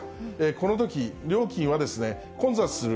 このとき、料金は混雑する